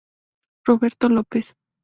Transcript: Roberto López